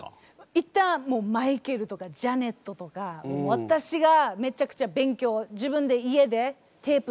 行ったもうマイケルとかジャネットとか私がめちゃくちゃ勉強自分で家でテープ